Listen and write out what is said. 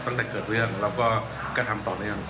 ตั้งแต่เกิดเรื่องเราก็กระทั่งต่อเพื่อน